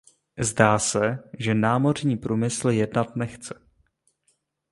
Zdá se, že námořní průmysl jednat nechce.